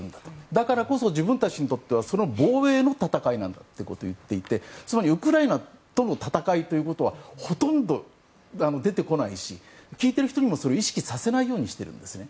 だからこそ、自分たちにとってはその防衛の戦いなんだということを言っていてつまりウクライナとの戦いということはほとんど出てこないし聞いている人にもそれを意識させないようにしているんですね。